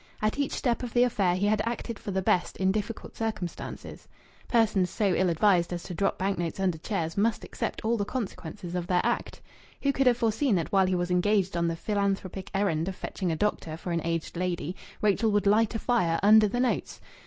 At each step of the affair he had acted for the best in difficult circumstances. Persons so ill advised as to drop bank notes under chairs must accept all the consequences of their act. Who could have foreseen that while he was engaged on the philanthropic errand of fetching a doctor for an aged lady Rachel would light a fire under the notes?...